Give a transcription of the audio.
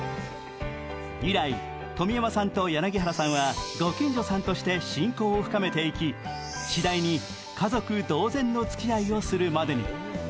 以来、富山さんと柳原さんはご近所さんとして親交を深めていき次第に家族同然のつきあいをするまでに。